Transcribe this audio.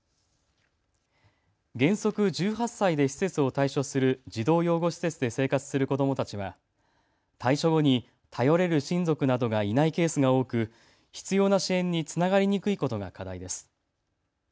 原則１８歳で施設を退所する児童養護施設で生活する子どもたちは退所後に頼れる親族などがいないケースが多く必要な支援につながりにくいことが課題です。